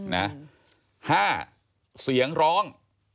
ห้าเสียงร้อง